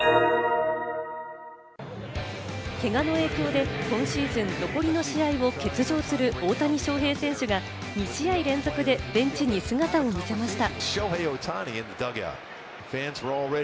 けがの影響で今シーズン残りの試合を欠場する大谷翔平選手が２試合連続でベンチに姿を見せました。